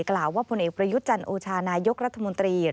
กล่าวว่าผลเอกประยุทธ์จันโอชานายกรัฐมนตรี